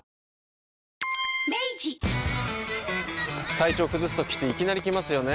体調崩すときっていきなり来ますよね。